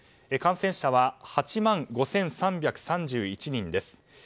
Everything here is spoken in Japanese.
感染者は８万５３３１人です。